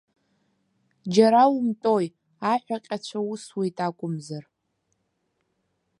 Џьара умтәои, аҳәаҟьацәа усуеит акәымзар!